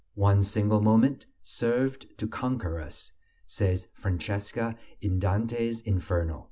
One single moment served to conquer us, says Francesca, in Dante's Inferno.